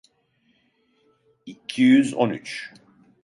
İki yüz on üç.